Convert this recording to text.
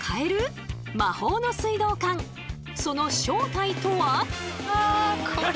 その正体とは？